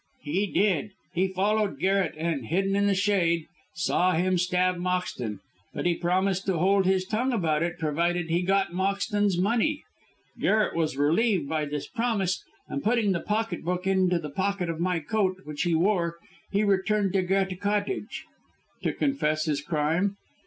"He did. He followed Garret, and, hidden in the shade, saw him stab Moxton. But he promised to hold his tongue about it, provided he got Moxton's money. Garret was relieved by this promise, and putting the pocket book into the pocket of my coat, which he wore, he returned to Goethe Cottage." "To confess his crime?"